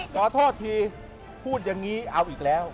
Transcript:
ขอโทษทีพูดอย่างนี้เอาอีกแล้ว